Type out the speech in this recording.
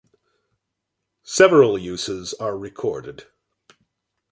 Several uses are recorded.